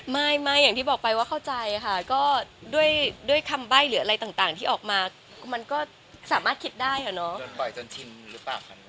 ไม่อย่างที่บอกไปว่าเข้าใจค่ะก็ด้วยคำใบ้หรืออะไรต่างที่ออกมามันก็สามารถคิดได้เหรอเนาะ